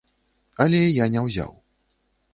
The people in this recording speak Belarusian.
Але я не ўзяў.